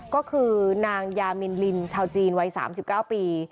ก็คือนางยามินลินชาวจีนวัย๓๙ปี